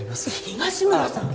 東村さん！